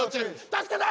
助けて！